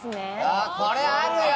ああこれあるよ！